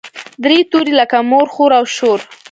درې توري لکه مور، خور او شور.